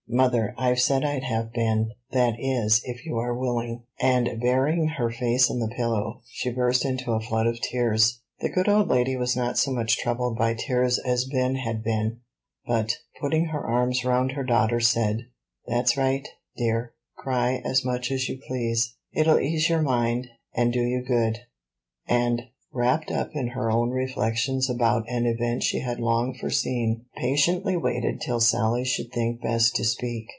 "Mother, I've said I'd have Ben, that is, if you are willing," and, burying her face in the pillow, she burst into a flood of tears. The good old lady was not so much troubled by tears as Ben had been, but, putting her arms round her daughter, said, "That's right, dear; cry as much as you please; it'll ease your mind, and do you good;" and, wrapped up in her own reflections about an event she had long foreseen, patiently waited till Sally should think best to speak.